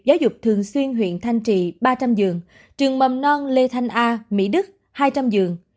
giáo dục thường xuyên huyện thanh trị ba trăm linh dường trường mầm non lê thanh a mỹ đức hai trăm linh dường